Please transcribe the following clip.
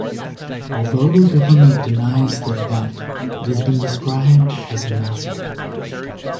Although the government denies the event, it has been described as a Massacre.